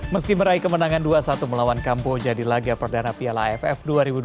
meski meraih kemenangan dua satu melawan kamboja di laga perdana piala aff dua ribu dua puluh